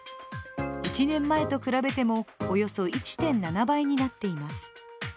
１年前と比べてもおよそ１．７倍になっています。